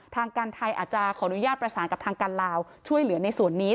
ทางการไทยอาจจะขออนุญาตประสานกับทางการลาวช่วยเหลือในส่วนนี้